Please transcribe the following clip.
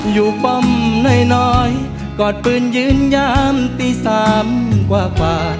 อยู่ป่อมน้อยกอดปืนยืนยามตีสามกว่า